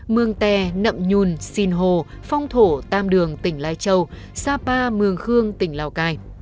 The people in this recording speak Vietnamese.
mương tè nậm nhun sinh hồ phong thổ tam đường tỉnh lai châu sa pa mương khương tỉnh lào cai